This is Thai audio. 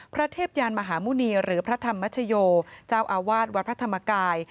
เทพยานมหาหมุณีหรือพระธรรมชโยเจ้าอาวาสวัดพระธรรมกาย